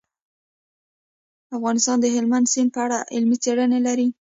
افغانستان د هلمند سیند په اړه علمي څېړنې لري.